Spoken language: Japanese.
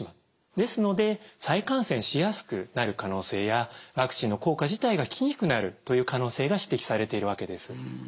ですので再感染しやすくなる可能性やワクチンの効果自体が効きにくくなるという可能性が指摘されているわけです。